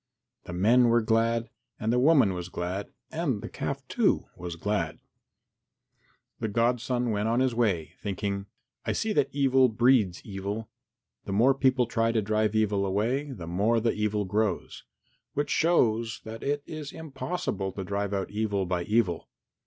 The men were glad, and the woman was glad, and the calf, too, was glad. The godson went on his way thinking, "I see that evil breeds evil. The more people try to drive away evil, the more the evil grows, which shows that it is impossible to drive out evil by evil.